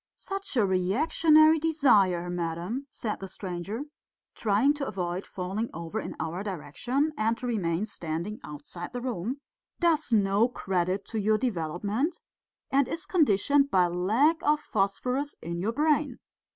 "Such a reactionary desire, madam," said the stranger, trying to avoid falling over in our direction and to remain standing outside the room, "does no credit to your development, and is conditioned by lack of phosphorus in your brain.